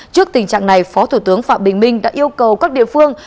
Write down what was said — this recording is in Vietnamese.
trước tình trạng này phó thủ tướng phạm bình minh đã yêu cầu các địa phương